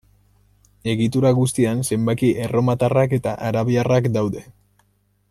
Egitura guztian zenbaki erromatarrak eta arabiarrak daude.